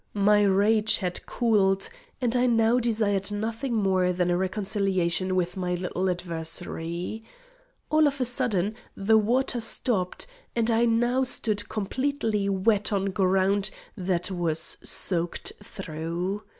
My rage had cooled, and I now desired nothing more than a reconciliation with my little adversary. All of a sudden the water stopped, and I now stood completely wet on ground that was soaked through.